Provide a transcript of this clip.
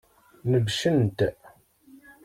Nebcen-t.